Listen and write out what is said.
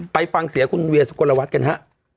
ไปฟังเสียคุณเวียสุกลวัฒน์กันฮะ